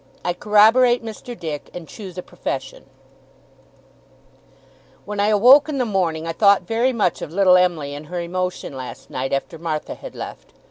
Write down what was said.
I CORROBORATE Mr. DICK, AND CHOOSE A PROFESSION When I awoke in the morning I thought very much of little Em'ly, and her emotion last night, after Martha had left.